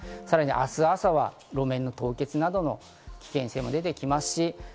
さらに明日朝、路面の凍結などの危険性が出てきます。